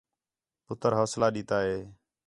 پُتر حوصلہ ݙِتّا ہِے